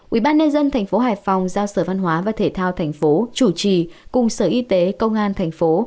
ủy ban nhân dân thành phố hải phòng giao sở văn hóa và thể thao thành phố chủ trì cùng sở y tế công an thành phố